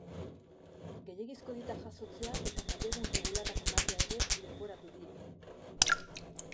Gehiegizko dietak jasotzea eta mailegu irregularrak ematea ere leporatu die.